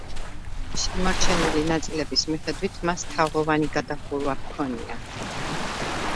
შემორჩენილი ნაწილების მიხედვით, მას თაღოვანი გადახურვა ჰქონია.